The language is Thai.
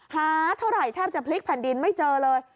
หาเท่าไหร่แทบจะพลิกแผ่นดินไม่เจอเลย